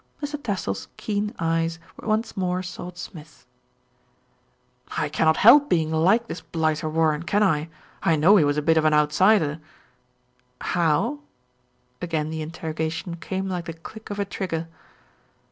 Mr. Tassell's keen eyes once more sought Smith's. "I cannot help being like this blighter Warren, can I ? I know he was a bit of an outsider " "How?" again the interrogation came like the click of a trigger.